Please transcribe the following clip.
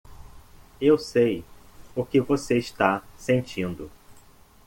Eu sei o que você está sentindo.